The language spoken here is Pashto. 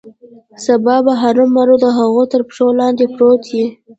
سبا به هرومرو د هغه تر پښو لاندې پروت یې.